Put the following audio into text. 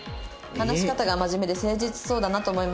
話し方が真面目で誠実そうだなと思いました」